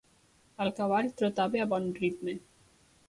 El cavall trotava a bon ritme.